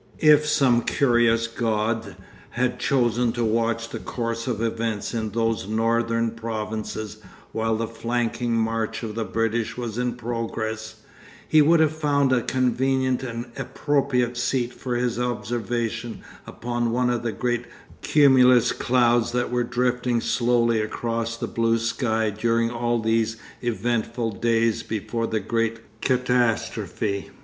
If some curious god had chosen to watch the course of events in those northern provinces while that flanking march of the British was in progress, he would have found a convenient and appropriate seat for his observation upon one of the great cumulus clouds that were drifting slowly across the blue sky during all these eventful days before the great catastrophe.